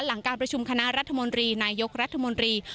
หลังการประชุมคณะรัฐมนตรีนายกรัฐมนตรี